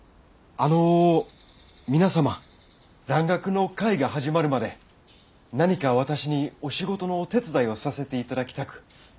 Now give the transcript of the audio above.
あの皆様蘭学の会が始まるまで何か私にお仕事のお手伝いをさせて頂きたく。